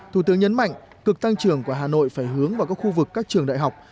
thủ tướng nhấn mạnh cực tăng trưởng của hà nội phải hướng vào các khu vực các trường đại học